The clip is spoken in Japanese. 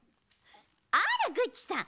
あらグッチさん